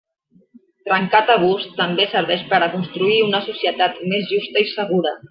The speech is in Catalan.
Trencar tabús també serveix per a construir una societat més justa i segura.